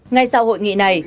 ngay sau hội nghị này